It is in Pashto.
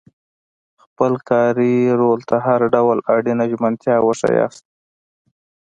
خپل کاري رول ته هر ډول اړینه ژمنتیا وښایاست.